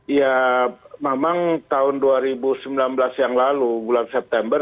ya memang tahun dua ribu sembilan belas yang lalu bulan september